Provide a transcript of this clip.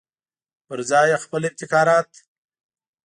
پرځای یې خپل ابتکارات.